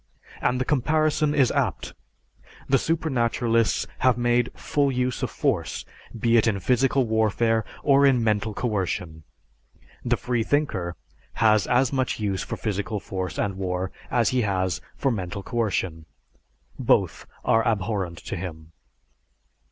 And the comparison is apt, the supernaturalists have made full use of force, be it in physical warfare or in mental coercion. The freethinker has as much use for physical force and war as he has for mental coercion; both are abhorrent to him.